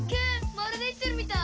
まるで生きてるみたい。